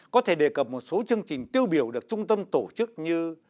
có thể đề cập một số chương trình tiêu biểu được trung tâm tổ chức như